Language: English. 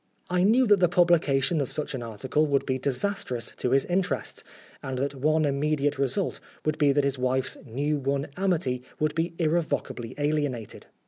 I knew that the publication of such an article would be disastrous to his interests, and that one immediate result would be that his wife's new won amity would be irrevocably alienated.